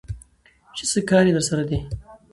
چې څه کار يې درسره دى?